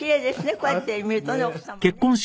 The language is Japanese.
こうやって見るとね奥様ね。